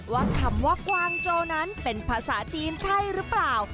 คำว่ากวางโจนั้นเป็นภาษาจีนใช่หรือเปล่า